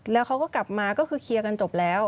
แล้วเขาก็กลับมาก็คือเคลียร์กันจบแล้ว